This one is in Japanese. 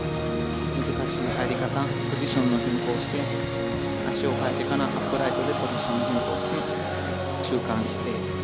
難しい入り方ポジションの変更をして足を換えてからアップライトでポジションを変更して中間姿勢。